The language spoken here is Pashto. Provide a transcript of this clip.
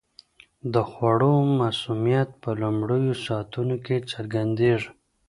د خوړو مسمومیت په لومړیو ساعتونو کې څرګندیږي.